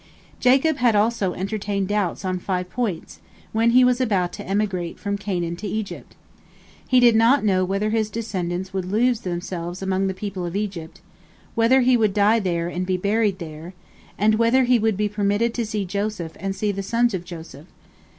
Jacob had also entertained doubts on five points, when he was about to emigrate from Canaan to Egypt: He did not know whether his descendants would lose themselves among the people of Egypt; whether he would die there and be buried there; and whether he would be permitted to see Joseph and see the sons of Joseph.